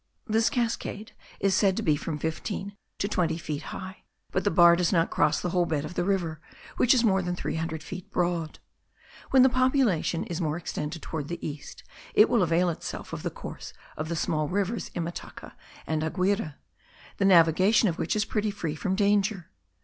This cascade is said to be from fifteen to twenty feet high; but the bar does not cross the whole bed of the river, which is more than three hundred feet broad. When the population is more extended toward the east, it will avail itself of the course of the small rivers Imataca and Aquire, the navigation of which is pretty free from danger.